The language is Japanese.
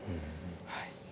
はい。